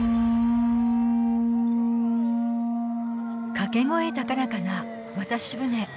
掛け声高らかな渡し舟